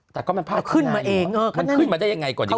แต่ก็มันพาดคันนาอยู่มันขึ้นมาได้ยังไงกว่าดีกว่า